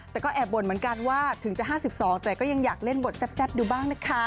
แต่ก็แอบบ่นเหมือนกันว่าถึงจะ๕๒แต่ก็ยังอยากเล่นบทแซ่บดูบ้างนะคะ